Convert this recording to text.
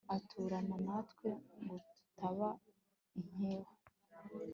uturana natwe ngo tutaba inkeho